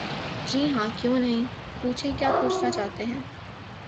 جی ہاں کیوں نہیں...پوچھیں کیا پوچھنا چاہتے ہیں؟